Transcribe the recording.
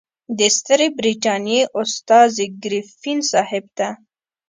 د ستري برټانیې استازي ګریفین صاحب ته.